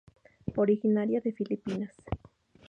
Originaria de Filipinas.